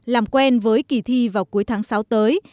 làm quen với kỳ thi vào cuối tháng sáu tới